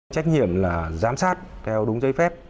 trách nhiệm là giám sát theo đúng giấy phép